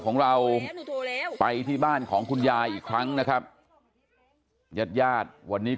ของเราไปที่บ้านของคุณยายอีกครั้งนะครับญาติญาติวันนี้